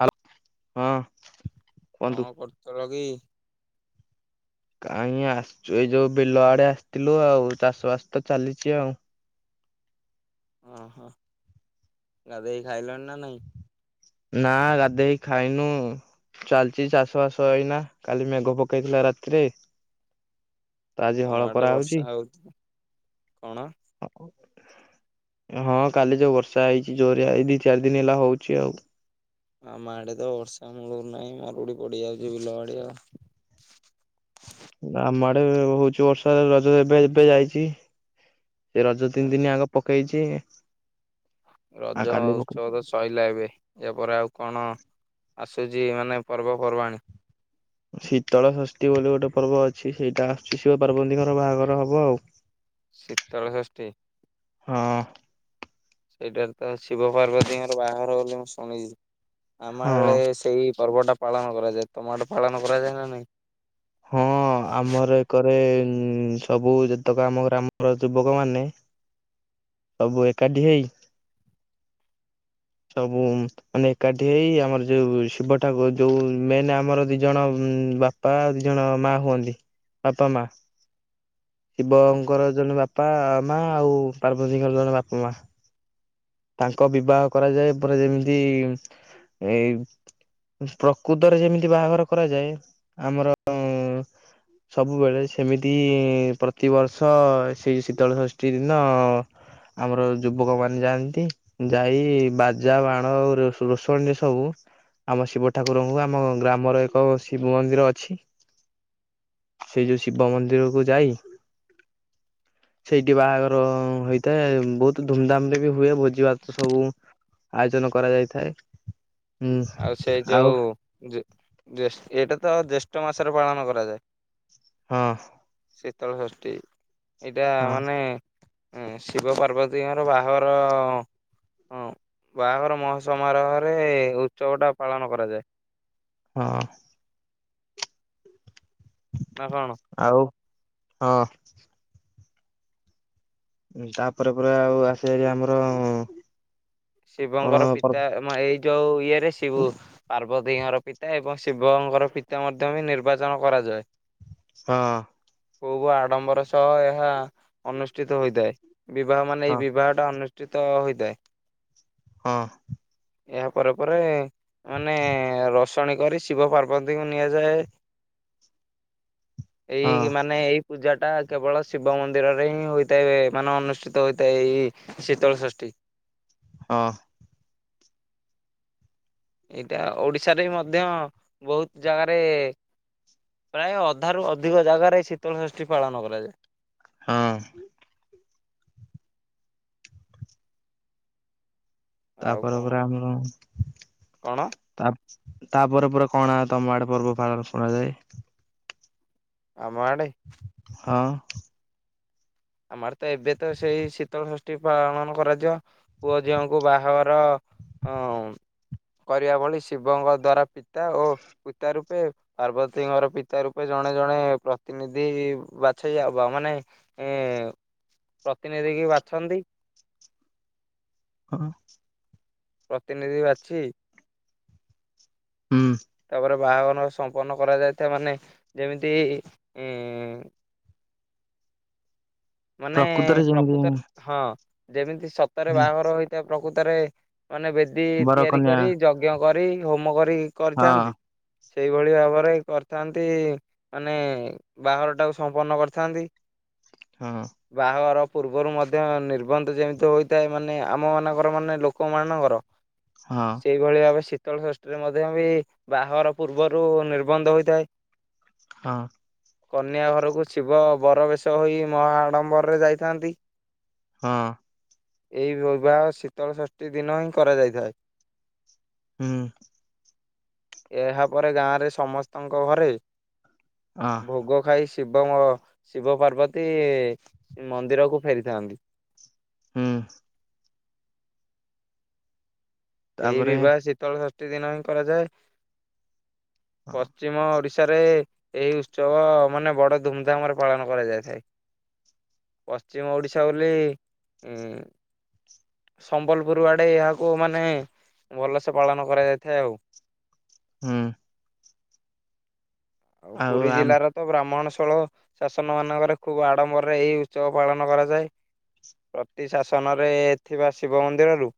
Hello. ହଁ। କୁହନ୍ତୁ। କଣ କରୁଥିଲ କି? କାଇଁ ଆସିଛୁ, ଏଇ ଯୋଉ ବିଲ ଆଡେ ଆସିଥିଲୁ, ଆଉ ଚାଷ ବାସ ତ ଚାଲିଛି ଆଉ। ଓହୋ। ଗାଧେଇ ଖାଇଲଣି ନା ନାଇଁ? ନା ଗାଧେଇ ଖାଇନୁ। ଚାଲିଚି ଚାଷ ବାସ ଏଇନା, କାଲି ମେଘ ପକେଇଥିଲା ରାତିରେ। ତ ଆଜି ତମ ହଳ ଆଡ଼େ କରାହଉଛି। ବର୍ଷା ହଉଛି? କଣ? ହଁ କାଲି ଯୋଉ ବର୍ଷା ହୋଇଛି ଜୋରରେ ଏଇ ଦି ଚାରି ଦିନ ହେଲା ହୋଉଛି ଆଉ। ଆମ ଆଡେ ତ ବର୍ଷା ମୂଳରୁ ନାହିଁ, ମରୁଡିି ପଡିଯାଉଛି ବିଲ ବାଡି ଆଉ। ଆମ ଆଡେ ହଉଛି ବର୍ଷା, ରଜ ଏବେ ଏବେ ଯାଇଛି। ସେ ରଜ ତିନି ଦିନି ଆଚ୍ଛା ଆଗ ପକେଇଛି। ଆଉ ରଜ କାଲି ଉତ୍ସବ ପକେଇଛି। ତ ସଇ ଲା ଏବେ। ଇଆ ପରେ ଆଉ କଣ ଆସୁଛି ମାନେ ପର୍ବପର୍ବାଣି? ଶୀତଳ ଷଷ୍ଠୀ ବୋଲି ଗୋଟେ ପର୍ବ ଅଛି, ସେଇଟା ଆସୁଛି ଶିବ ପାର୍ବତୀଙ୍କର ବାହାଘର ହବ ଆଉ। ଶୀତଷଷ୍ଠୀ ହଁ ସେଇଟାରେ ତ ଶିବ ପାର୍ବତୀଙ୍କର ବାହାଘର ବୋଲି ମୁଁ ଶୁଣିଛି। ଆମ ହଁ। ଆଡ଼େ ସେଇ ପର୍ବଟା ପାଳନ କରାଯାଏ ତମ ଆଡ଼େ ପାଳନ କରାଯାଏ ନା ନାଇଁ? ହଁ ଆମର ଏକରେ ସବୁ ଯେତେକ ଆମ ଗ୍ରାମର ଯୁବକମାନେ ସବୁ ଏକାଠି ହେଇ ସବୁଁ ମାନେ ଏକାଠି ହେଇ ଆମର ଯୋଉ ଶିବ ଠାକୁର ଯୋଉ ମେନ୍ ଆମର ଦି ଜଣ ବାପା ଜଣ ମା ହୁଅନ୍ତି ବାପା ମା ହଁ ଶିବଙ୍କର ଜଣେ ବା ପା ମା ଆଉ ପାର୍ବତୀଙ୍କର ଜଣେ ବାପ ମା। ତାଙ୍କ ବିବାହ କରାଯାଏ ପରେ ଯେମିତି ଏ ପ୍ରକୃତରେ ଯେମିତି ବାହାଘର କରାଯାଏ ଆମର ସବୁବେଳେ ସେମିତି ପ୍ରତିବର୍ଷ ସେଇ ଶୀତଳଷଷ୍ଠୀ ଦିନ ଆମର ଯୁବକମାନେ ଯାଆନ୍ ନ୍ତି ଯାଇ ବାଜା ବାଣ ରୋସ୍ ରୋଷଣୀରେ ସବୁ ଆମ ଶିବ ଠାକୁରଙ୍କୁ ଆମ ଗ୍ରାମର ଏକ ଶିବ ମନ୍ଦିର ଅଛି। ସେଇ ଯୋଉ ଶିବ ମନ୍ଦିରକୁୁ ଯାଇ ସେଇଠି ବାହାଘର ହୋଇଥାଏ ବହୁତ ଧୁମଧାମରେ ବି ହୁଏ ଭୋ ଜି ଭାତ ସବୁ ଆୟୋଜନ କରାଯାଇଥାଏ ହୁଁ ଆଉ ଜେ ଜେଷ୍ ଏଇଟା ତ ଜ୍ୟେଷ୍ଠ ମାସରେ ପାଳନ କରାଯାଏ। ହଁ। ଶୀତଳ ଷଷ୍ଠୀ ଏଇଟା ହଁ ମାନେ ହଁ ଶିବ ପାର୍ବତୀଙ୍କର ବାହାଘର ହଁ ବାହାଘର ମହା ସମାରୋହରେ ଉତ୍ସବଟା ପାଳନ କରାଯାଏ। ହଁ। ନାଁ କଣ? ଆଉ ହଁ। ଉଁ ତାପରେ ପରେ ଆଉ ଆସେ ହାରି ଆମର କଣ ଶିବଙ୍କର ପର୍ବ ପିତା ଆମ ଏଇ ଯୋଉ ଇଏରେ ଶିବୁ ପାର୍ବତୀଙ୍କର ପିତା ଏବଂ ଶିବଙ୍କର ପିତା ମଧ୍ୟ ବି ନିର୍ବାଚନ କରାଯାଏ। ହଁ। ଖୁବ୍ ଆଡ଼ମ୍ବର ସହ ଏହା ଅନୁଷ୍ଠିତ ହୋଇଥାଏ। ବିବାହ ମାନେ ଏଇ ହଁ ବିବାହଟା ଅନୁଷ୍ଠିତ ହୋଇଥାଏ। ହଁ। ଏହା ପରେ ପରେ ମାନେ ରସ ଶଣି କରି ଶିବ ପାର୍ବତୀଙ୍କୁ ନିଆଯାଏ ହଁ ଏଇ ମାନେ ଏଇ ପୂଜାଟା କେବଳ ଶିବ ମନ୍ଦିରରେ ହିଁ ହୋଇଥାଏ ମାନେ ଅନୁଷ୍ଠିତ ହୋଇଥାଏ ଏଇ ଶୀତଳଷଷ୍ଠୀ। ହଁ। ଏଇଟା ଓଡିଶାରେ ବି ମଧ୍ୟ ବହୁତ ଜାଗାରେ ପ୍ରାୟ ଅଧାରୁୁ ଅଧିକ ଜାଗାରେ ଏଇ ଶୀତଳଷଷ୍ଠୀ ପାଳନ କରାଯାଏ। ହଁ। ଆଉ ତାପରେ କଣ ପରେ ଆମ କଣ ତା ତାପରେ ପରେ କଣ ଆ ତମ ଆଡ଼େ ପର୍ବ ପାଳନ ଶୁଣାଯାଏ? ଆମ ଆଡ଼େ? ହଁ। ଆମ ଆଡ଼େ ତ ଏବେ ତ ସେଇ ଶୀତଳ ଷଷ୍ଠୀ ପାଳନ କରାଯିବ ପୁଅ ଝିଅଙ୍କୁ ବାହାଘର ଅଁ କରିବା ଭଳି ଶିବଙ୍କ ଦ୍ଵାରା ପିତା ଓ ପିତା ରୂପେ ପାର୍ବତୀଙ୍କର ପିତା ରୂପେ ଜଣେ ଜଣେ ପ୍ରତିନିଧି ବାଛେଇ ଆ ବା ମାନେ ଏଁ ପ୍ରତିନିଧି କି ବାଛନ୍ତି। ହଁ। ପ୍ରତିନିଧି ବାଛି ହୁଁ। ତାପରେ ବାହାଘର ସମ୍ପନ୍ନ କରାଯାଇଥାଏ ମାନେ ଯେମିତି ଇଁ ମାନେ ପ୍ରକୃତରେ ଯେମିତି ପ୍ରକୃତରେ ହଁ ଯେମିତି ସତରେ ବାହାଘର ହୋଇଥିଏ ପ୍ରକୃତରେ ମାନେ ବେଦୀ ବର ତିଆରି କନ୍ୟା କରି ଯଜ୍ଞ କରି ହୋମ କରି ହଁ କରିଥାନ୍ତି। ସେଇଭଳି ଭାବରେ କରିଥାନ୍ତି, ମାନେ ବାହାଘର ଟାକୁ ସମ୍ପନ୍ନ କରିଥାନ୍ତି। ହଁ। ବାହାଘର ପୂର୍ବରୁ ମଧ୍ୟ ନିର୍ବନ୍ଧ ଯେମିତି ହୋଇଥାଏ, ମାନେ ଆମ ମାନଙ୍କର ମାନେ ଲୋକମାନଙ୍କର ହଁ। ସେଇଭଳି ଭାବେ ଶୀତଳ ଷଷ୍ଠୀରେ ମଧ୍ୟ ବି ବାହାଘର ପୂର୍ବରୁ ନିର୍ବନ୍ଧ ହୋଇଥାଏ। ହଁ। କନ୍ୟା ଘରକୁ ଶିବ ବର ବେଶ ହୋଇ ମହା ଆଡମ୍ବରରେ ଯାଉଛନ୍ତି। ହଁ। ଏହି ବିବାହ ଶୀତଳଷଷ୍ଠୀ ଦିନ ହିଁ କରାଯାଇଥାଏ। ହୁଁ। ଏହା ପରେ ଗାଁ ରେ ସମସ୍ତଙ୍କ ଘରେ ହଁ ଭୋଗ ଖାଇ ଶିବ ମ ଶିବ ପାର୍ବତୀ ମନ୍ଦିରକୁ ଫେରିଥାନ୍ତି। ହୁଁ। ଏହି ତାପରେ ବିବାହ ଶୀତଳ ଷଷ୍ଠୀ ଦିନ ହିଁ କରାଯାଏ। ପଶ୍ଚିମ ଓଡିଶାରେ ଏଇ ଉତ୍ସବ ମାନେ ବଡ ଧୁମଧାମ୍ ରେ ପାଳନ କରାଯାଇଥାଏ। ପଶ୍ଚିମ ଓଡିଶା ବୋଲି ସମ୍ବଲପୁର ଆଡେ ଏହାକୁ ମାନେ ଭଲସେ ପାଳନ କରାଯାଇଥାଏ ଆଉ। ହୁଁ। ଆମ ଆଉ ପୁରୀ ଆମ ଜିଲ୍ଲାର ତ ବ୍ରାହ୍ମଣଶଳ ଶାସନ ମାନଙ୍କରେ ଖୁବ ଆଡମ୍ବରରେ ଏଇ ଉତ୍ସବ ପାଳନ କରାଯାଏ। ପ୍ରତି ଶାସନରେ ଥିବା ଶିବ ମନ୍ଦିରରୁ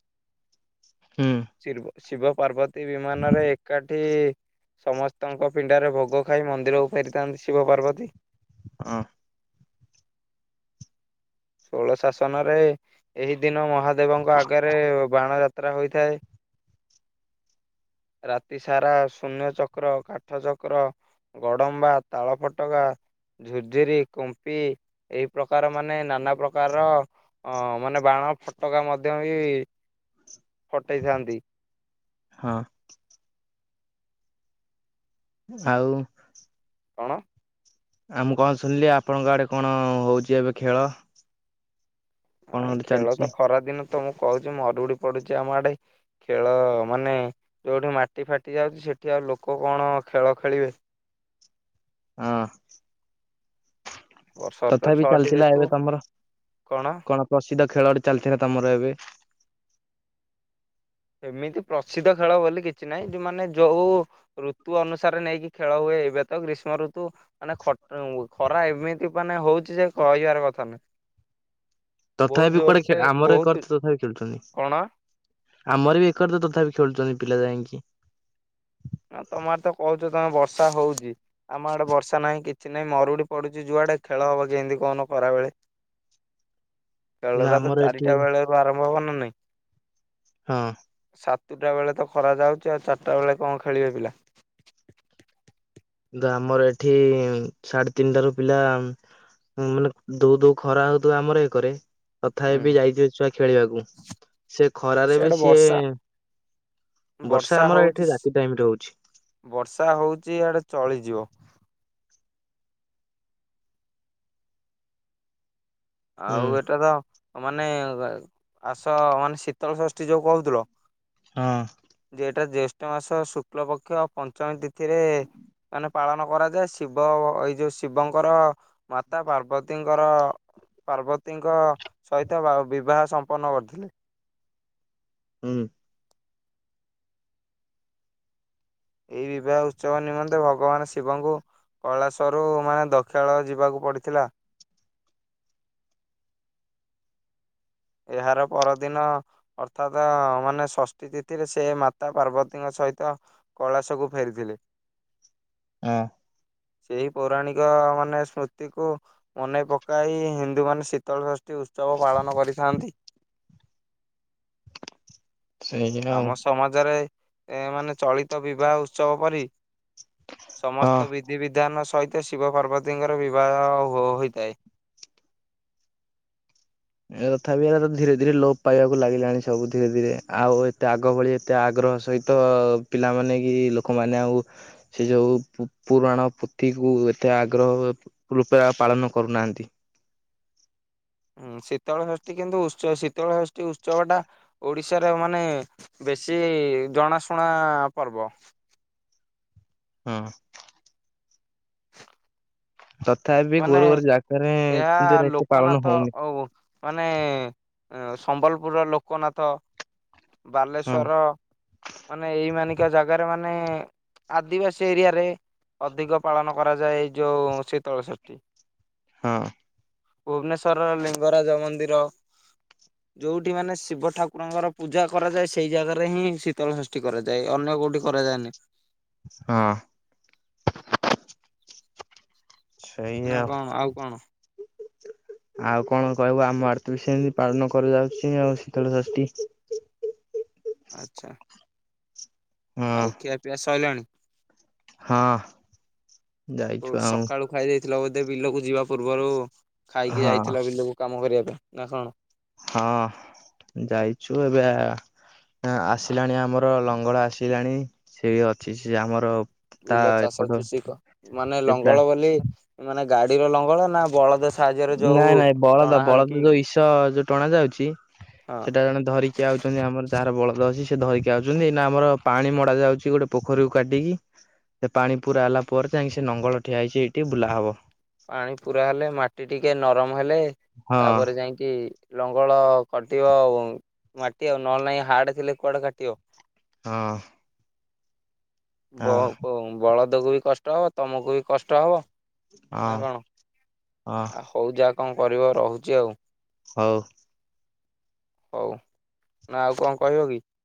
ହୁଁ। [unintelligible] ଶିବ ପାର୍ବତୀ ବିମାନରେ ଏକାଠି ସମସ୍ତଙ୍କ ପିଣ୍ଡାରେ ଭୋଗ ଖାଇ ମନ୍ଦିରକୁ ଫେରିଥାନ୍ତି ଶିବ ପାର୍ବତୀ। ଅଁ। ଷୋଳ ଶାସନରେ ଏହି ଦିନ ମହାଦେବଙ୍କ ଆଗରେ ବାଣ ଯାତ୍ରା ହୋଇଥାଏ। ରାତି ସାରା ଶୂନ୍ୟ ଚକ୍ର କାଠ ଚକ୍ର ଗଡମ୍ବା ତାଳ ଫଟକା ଝୁର୍ଝୁରି କୁମ୍ପି ଏଇ ପ୍ରକାର ମାନେ ନା ନାନା ପ୍ରକାରର ଅ ମାନେ ବାଣ ଫୋଟକା ମଧ୍ୟ ବି ଫଟେଇଥାନ୍ତି। ହଁ। ଆଉ କଣ? ଆଉ ମୁଁ କଣ ଶୁଣିଲି ଆପଣଙ୍କ ଆଡେ କଣ ହଉଚି ଏବେ ଖେଳ। କଣ ଆ ଏଇ ଗୋଟେ ଖେଳ ଚାଲିଛି ତ ଖରା ଦିନ ତ ମୁଁ କହୁଚି ମରୁଡି ପଡୁଚି ଆମ ଆଡେ। ଖେଳ ମାନେ ଯେଉଁଠି ମାଟି ଫାଟି ଯାଉଛି ସେଇଠି ଆଉ ଲୋକ କଣ ଖେଳ ଖେଳିବେ? ଅଁ। ବର୍ଷର ତ ତଥାପି ଛଅଟି ଚାଲିଥିଲା ଏବେ ଋତୁ ତମର କଣ ପ୍ରସିଦ୍ଧ ଖେଳ ଗୋଟେ ଚାଲିଥିଲା ତମର ଏବେ। ଏମିତି ପ୍ରସିଦ୍ଧ ଖେଳ ବୋଲି କିଛି ନାହିଁ। ଯୋଉମାନେ ଯୋଉ ଋତୁ ଅନୁସାରେ ନେଇକି ଖେଳ ହୁଏ। ଏବେ ତ ଗ୍ରୀଷ୍ମ ଋତୁ ମାନେ ଖଟ [unintelligible] ଖରା ଏମିତି ମାନେ ହଉଚି ଯେ କହିବାର କଥା ନାହିଁ। ତଥାପି କୁଆଡେ ଆମର ବହୁତ ଏକରେ ତଥାପି ଖେଳୁଛନ୍ତି। କଣ ଆମର ବି ଏକରେ ତ ତଥାପି ଖେଳୁଛନ୍ତି ପିଲା ଯାଇଁକି। ଆଉ ତମ ଆଡେ ତ କହୁଚ ତମ ବର୍ଷା ହଉଚି। ଆମ ଆଡେ ବର୍ଷା ନାହିଁ କିଛି ନାହିଁ ମରୁଡି ପଡୁଚି ଯୁଆଡେ ଖେଳ ହବ କେମିତି କହୁନ ଖରା ବେଳେ। ଖେଳ କିନ୍ତୁ ଟା ତ ଆମର ଏଠି ଚାରିଟା ବେଳ କୁ ଆରମ୍ଭ ହବ ନା ନାଇଁ। ହଁ। ସାତୁଟା ବେଳେ ତ ଖରା ଯାଉଛି ଆଉ ଚାରିଟା ବେଳେ କଣ ଖେଳିବେ ପିଲା। ନ୍ତୁ ଆମର ଏଠି ସାଢେ ତିନିଟାରୁ ପିଲା ହଁ ମାନେ ଦୋ ଦଉ ଖରା ହଉଥିବ ଆମର ଏଇକରେ ତଥାପି ହୁଁ। ବି ଯାଇଥିବେ ଛୁଆ ଖେଳିବାକୁ ସେ ଖରାରେ ସିଆଡେ ବି ସିଏ ବର୍ଷା ବର୍ଷା ଆମର ଏଠି ରାତି ଟାଇମରେ ହଉଛି। ବର୍ଷା ହୋଉଚି ଇଆଡେ ଚଳିଯିବ। ହୁଁ ଆଉ ଏଟା ତ ମାନେ ଆସ ମାନେ ଶୀତଳଷଷ୍ଠୀ ଯୋଉ କହୁଥିଲ ହଁ। ଯେ ଏଟା ଜେଷ୍ଠ ମାସ ଶୁକ୍ଳ ପକ୍ଷ ଆଉଟ୍ ପଞ୍ଚମୀ ତିଥିରେ ମାନେ ପାଳନ କରାଯାଏ। ଶିବ ଏଇ ଯୋଉ ଶିବଙ୍କର ମାତା ପାର୍ବତୀଙ୍କର ପାର୍ବତୀଙ୍କ ସହିତ ବା ବିବାହ ସମ୍ପନ୍ନ କରିଥିଲେ। ହୁଁ। ଏଇ ବିବାହ ଉତ୍ସବ ନିମନ୍ତେ ଭଗବାନ ଶିବଙ୍କୁ କୈଳାଶରୁ ମାନେ ଦଖ୍ୟାଳୟ ଯିବାକୁ ପଡିଥିଲା। ଏହାର ପରଦିନ ଅର୍ଥାତ ମାନେ ଷଷ୍ଠୀ ତିଥିରେ ସେ ମାତା ପାର୍ବତୀଙ୍କ ସହିତ କୈଳାସକୁ ଫେରିଥିଲେ। ହଁ। ସେଇ ପୌରାଣିକ ମାନେ ସ୍ମୃତିକୁ ମନେ ପକାଇ ହିନ୍ଦୁ ମାନେ ଶି ତଳଷଷ୍ଠୀ ଉତ୍ସବ ପାଳନ କରିଥାନ୍ତି। ସେଇଆ ଆଉ ଆମ ସମାଜରେ ଏ ମାନେ ଚଳିତ ବିବାହ ଉତ୍ସବ ପରି ହଁ। ସମସ୍ତ ବିଧିବିଧାନ ସହିତ ଶିବ ପାର୍ବତୀଙ୍କର ବିବାହ ହୋ ହୋଇଥାଏ। ଏ ତଥାବି ଏରା ଧୀରେ ଧୀରେ ଲୋପ ପାଇବାକୁ ଲାଗିଲାଣି ସବୁ ଧୀରେ ଧୀରେ ଆଉ ଏତେ ଆଗ ଭଳି ଏତେ ଆଗ୍ରହ ସହିତ ପିଲାମାନେ କି ଲୋକମାନେ ଆଉ ସେ ଯେଉଁ ପୁ ପୁରାଣ ପୋଥିକୁ ଏତେ ଆଗ୍ରହ ରୂପେ ଆଉ ପାଳନ କରୁନାହାନ୍ତି। ହୁଁ ଶୀତଳ ଷଷ୍ଠୀ କିନ୍ତୁ ଉତ୍ସ ଶୀତଳ ଷଷ୍ଠୀ ଉତ୍ସବ ଟା ଓଡିଶାର ମାନେ ବେଶୀ ଜଣାଶୁଣା ପର୍ବ। ହଁ। ତଥାପି କୋଉ ମାନେ କୋଉ ଜାଗାରେ ଏହା କିନ୍ତୁ ଏରା ଏତେ ପାଳନ ଲୋକନାଥ ହଉନି ଆଉ ମାନେ ସମ୍ବଲପୁରର ଲୋକନାଥ ହଁ ବାଲେଶ୍ଵର ମାନେ ଏଇ ମାନିକା ଜାଗାରେ ମାନେ ଆଦିବାସୀ ଏରିଆରେ ଅଧିକ ପାଳନ କରାଯାଏ ଏଇ ଯୋଉ ଶୀତଳ ସଷ୍ ଠି ହଁ। ଭୁବନେଶ୍ଵରର ଲିଙ୍ଗରାଜ ମନ୍ଦିର ଯୋଉଠି ମାନେ ଶିବ ଠାକୁରଙ୍କର ପୂଜା କରାଯାଏ ସେଇ ଜାଗାରେ ହିଁ ଶୀତଳ ଷଷ୍ଠୀ କରାଯାଏ। ଅନ୍ୟ କୋଉଠି କରାଯାଏନି। ହଁ। ନା କଣ ଆଉ କଣ? ଆଉ କଣ କହିବୁ ଆମ ଆଡେ ତ ସେମିତି ପାଳନ କରାଯାଉଛି ଆଉ ଶୀତଳ ଷଷ୍ଠୀ। ଆଛା। ହଁ ଆଉ ଖିଆ ପିଆ ସରିଲାଣି? ହଁ। ଯାଇଛୁ ଓଠ ଆଉ ସକାଳୁ ଖାଇ ଦେଇଥିଲ ବୋଧେ ବିଲକୁ ଯିବା ପୂର୍ବରୁ ଖାଇକି ହଁ ଯାଇଥିଲ ବିଲକୁ? କାମ କରିବା ପାଇଁ ନା କଣ? ହଁ ଯାଇଛୁ ଏବେ ନା ଆସିଲାଣି ଆମର ଲଙ୍ଗଳ ଆସିଲାଣି ସେ ଅଛି ସେ ଆମର ତା ବିଲ ଚାଷ ଏପଟ ଚୁଶି କ ମାନେ ଏପଟା ଲଙ୍ଗଳ ବୋଲି ମାନେ ଗାଡିର ଲଙ୍ଗଳ ନା ବଳଦ ସାହାଯ୍ୟରେ ଯୋଉ ନାଇଁ ନାଇଁ ବଳଦ ଟଣା ବଳଦ ହେଇକି ଯୋଉ ଇସ ଯୋଉ ଟଣା ଯାଉଛି ହଁ ସେଟା ଜଣେ ଧରି ଯାଉଛନ୍ତି ଆମର ଯାହାର ବଳଦ ଅଛି ସେ ଧରିକି ଆଉଛନ୍ତି ଏନା ଆମର ପାଣି ମଡା ଯାଉଛି ଗୋଟେ ପୋଖରୀକୁ କାଟିକି। ସେ ପାଣି ପୁରା ହେଲା ପରେ ଯାଇକି ସେ ନଙ୍ଗଳ ଠିଆ ହେଇଛି ଏଇଠି ବୁଲା ହବ। ପାଣି ପୁରା ହେଲେ ମାଟି ଟିକେ ନରମ ହେଲେ ହଁ ତାପରେ ଯାଇକି ଲଙ୍ଗଳ କଟିବ ଉଁ, ମାଟି ଆଉ ନହେଲେ ନାହିଁ ହାଡ୍ ଥିଲେ କୁଆଡେ କାଟିବ। ହଁ। ବ- ହଁ କୁ ବଳଦକୁ ବି କଷ୍ଟ ତୋମକୁ ବି କଷ୍ଟ ହବ। ଅଁ, ନା କଣ? ଆ, ହଉ ଯା କଣ କରିବ, ରହୁଚି ଆଉ। ହଉ। ହଉ, ନା ଆଉ କଣ କହିବ କି?